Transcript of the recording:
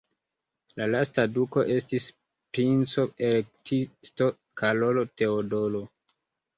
La lasta duko estis princo-elektisto Karolo Teodoro.